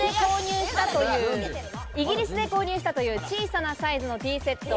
イギリスで購入したという小さなサイズのティーセット。